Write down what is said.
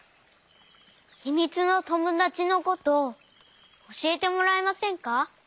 ひみつのともだちのことおしえてもらえませんか？